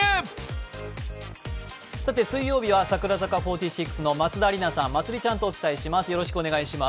水曜日は櫻坂４６の松田里奈さん、まつりちゃんとお送りします